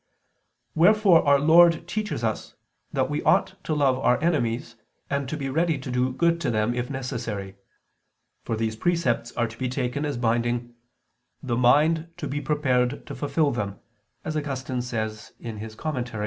Wherefore Our Lord teaches us that we ought to love our enemies, and to be ready to do good to them if necessary. For these precepts are to be taken as binding "the mind to be prepared to fulfil them," as Augustine says (De Serm.